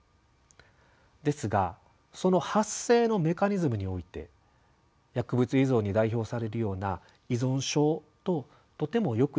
ですがその発生のメカニズムにおいて薬物依存に代表されるような依存症ととてもよく似た部分があります。